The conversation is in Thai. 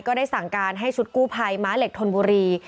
ได้สั่งการให้ชุดกู้ภัยม้าเหล็กธนบุรี